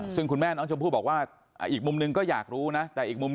ซึ่งคุณแม่น้องชมพู่บอกว่าอีกมุมนึงก็อยากรู้นะแต่อีกมุม